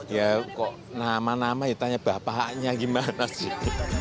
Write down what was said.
ya kok nama nama ya tanya bapaknya gimana sih